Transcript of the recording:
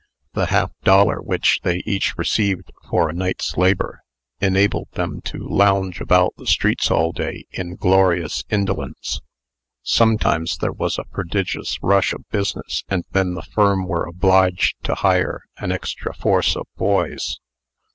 The half dollar which they each received for a night's labor, enabled them to lounge about the streets all day in glorious indolence. Sometimes there was a prodigious rush of business, and then the firm were obliged to hire an extra force of boys.